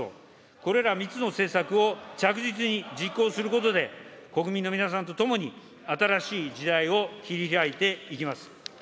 これら３つの政策を着実に実行することで、国民の皆さんと共に新しい時代を切り開いていきます。